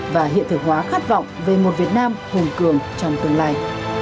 và hiện thực hóa khát vọng về một việt nam hùng cường trong tương lai